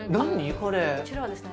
こちらはですね